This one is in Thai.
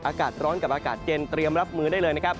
อากาศร้อนกับอากาศเย็นเตรียมรับมือได้เลยนะครับ